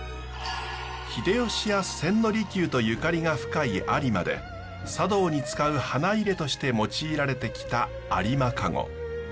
秀吉や千利休とゆかりが深い有馬で茶道に使う花いれとして用いられてきた有馬籠。